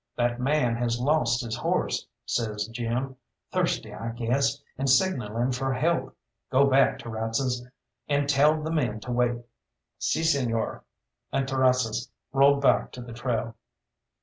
"That man has lost his horse," says Jim; "thirsty, I guess, and signalling for help. Go back, Terrazas, and tell the men to wait." "Si, señor," and Terrazas rolled back to the trail.